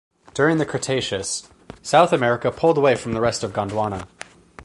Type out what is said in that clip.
During the Cretaceous, South America pulled away from the rest of Gondwana.